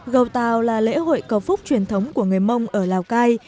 gầu tàu là lễ hội cầu phúc truyền thống của người mông ở lào cai